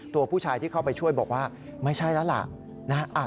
ตัวผู้ชายที่เข้าไปช่วยบอกว่าไม่ใช่แล้วล่ะ